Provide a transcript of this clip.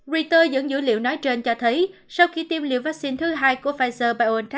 reuters dẫn dữ liệu nói trên cho thấy sau khi tiêm liệu vaccine thứ hai của pfizer